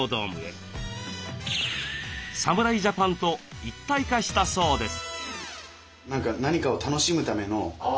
侍ジャパンと一体化したそうです。